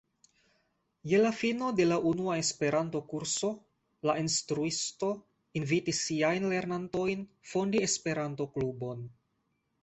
Je la fino de la unua Esperanto-kurso la instruisto invitis siajn lernantojn fondi Esperanto-klubon.